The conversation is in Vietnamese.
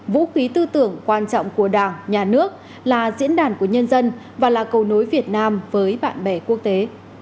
vũ khí tư tưởng quan trọng của đảng nhà nước là diễn đàn của nhân dân và là cầu nối việt nam với bạn bè quốc tế